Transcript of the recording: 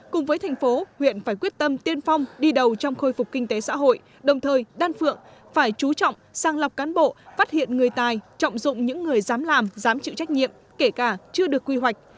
cùng với thành phố huyện phải quyết tâm tiên phong đi đầu trong khôi phục kinh tế xã hội đồng thời đan phượng phải chú trọng sang lọc cán bộ phát hiện người tài trọng dụng những người dám làm dám chịu trách nhiệm kể cả chưa được quy hoạch